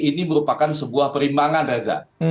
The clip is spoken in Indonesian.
ini merupakan sebuah perimbangan reza